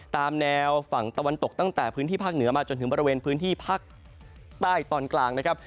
ตามแนวฝั่งตะวันตกตั้งแต่พื้นที่ภาคเหนือมาจนถึงบริเวณพื้นที่ภาคใต้ตอนกลางนะครับ